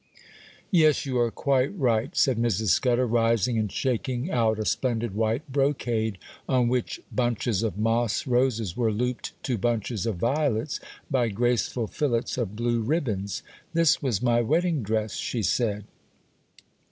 'Yes, you are quite right,' said Mrs. Scudder, rising and shaking out a splendid white brocade, on which bunches of moss roses were looped to bunches of violets by graceful fillets of blue ribbons. 'This was my wedding dress,' she said.